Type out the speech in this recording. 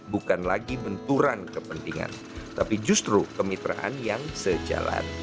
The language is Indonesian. bukan lagi benturan kepentingan tapi justru kemitraan yang sejalan